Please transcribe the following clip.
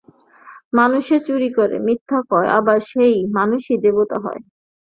মানুষে চুরি করে, মিথ্যা কয়, আবার সেই মানুষই দেবতা হয়।